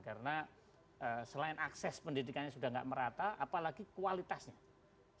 karena selain akses pendidikannya sudah tidak merata apalagi kualitasnya